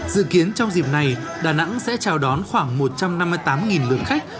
dự kiến trong dịp này đà nẵng sẽ chào đón khoảng một trăm năm mươi tám lượt khách